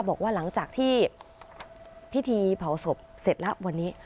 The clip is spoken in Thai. บอกว่าหลังจากที่พิธีเผาศพเสร็จแล้ววันนี้